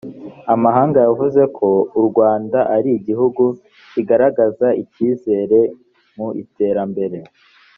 amahanga yavuze ko u rwanda ari igihugu kigaragaza icyizere mu iterambere